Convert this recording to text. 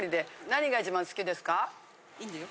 いいんだよ。